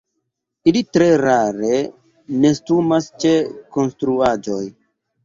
Ili tre rare nestumas ĉe konstruaĵoj.